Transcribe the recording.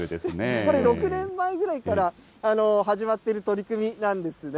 これ、６年前ぐらいから始まっている取り組みなんですね。